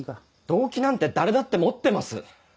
動機なんて誰だって持ってます！